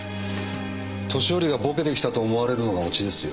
年寄りがボケてきたと思われるのがオチですよ。